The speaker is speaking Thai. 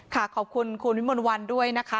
ค่ะขอบคุณคุณวิมวลวันด้วยนะคะ